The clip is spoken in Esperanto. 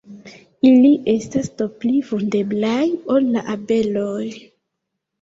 Ili estas do pli vundeblaj ol la abeloj.